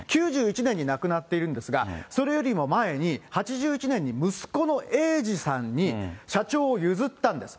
９１年に亡くなっているんですが、それよりも前に、８１年に息子の英司さんに社長を譲ったんです。